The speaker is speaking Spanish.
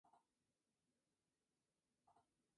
No debe ser confundido con el Premio Lenin.